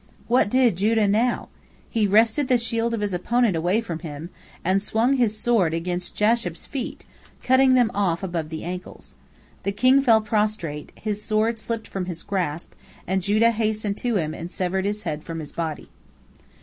What did Judah now? He wrested the shield of his opponent away from him, and swung his sword against Jashub's feet, cutting them off above the ankles. The king fell prostrate, his sword slipped from his grasp, and Judah hastened to him and severed his head from his body.